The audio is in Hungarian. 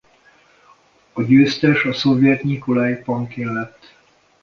A győztes a szovjet Nyikolaj Pankin lett.